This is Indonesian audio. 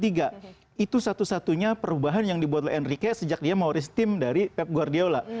itu satu satunya perubahan yang dibuat oleh enrica sejak dia mau risk team dari pep guardiola